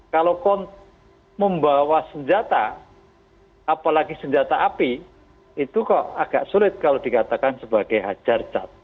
kalau membawa senjata apalagi senjata api itu kok agak sulit kalau dikatakan sebagai hajar cat